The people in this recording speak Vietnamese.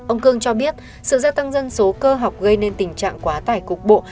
ông cương cho biết sự gia tăng dân số cơ học gây nên tình trạng quá tải cục bộ